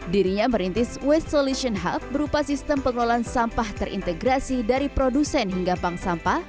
dirinya merintis waste solution hub berupa sistem pengelolaan sampah terintegrasi dari produsen hingga bank sampah